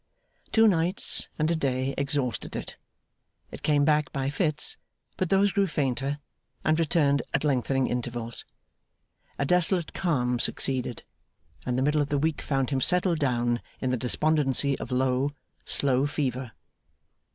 Two nights and a day exhausted it. It came back by fits, but those grew fainter and returned at lengthening intervals. A desolate calm succeeded; and the middle of the week found him settled down in the despondency of low, slow fever.